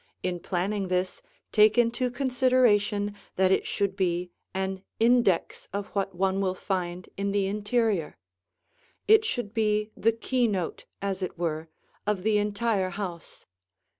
In planning this, take into consideration that it should be an index of what one will find in the interior; it should be the keynote, as it were, of the entire house.